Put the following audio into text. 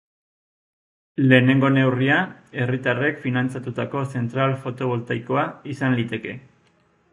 Lehenengo neurria, herritarrek finantzatutako zentral fotovoltaikoa izan liteke.